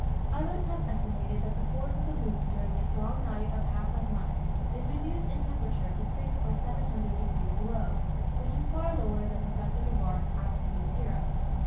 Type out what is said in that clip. Others have estimated that the force of the moon during its long night of half a month, is reduced in temperature to six or seven hundred degrees below, which is far lower than Professor Dewar's absolute zero.